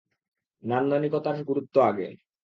নান্দনীকতার গুরুত্ব আগে!